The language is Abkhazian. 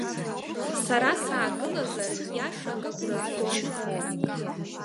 Сара саагылазар иашак агәразгон.